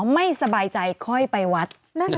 ไม่สบายใจค่อยไปวัด